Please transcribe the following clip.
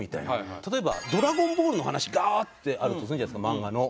例えば『ドラゴンボール』の話ガーッてあるとするじゃないですか漫画の。